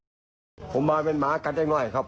ขั้ยผมมาเป็นหมาก็ได้อย่างน้อยครับ